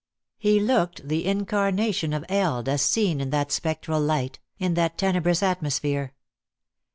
He looked the incarnation of eld as seen in that spectral light, in that tenebrous atmosphere.